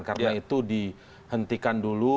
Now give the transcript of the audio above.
karena itu dihentikan dulu